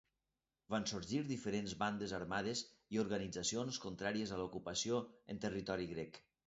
Van sorgir diferents bandes armades i organitzacions contràries a l'ocupació en territori grec.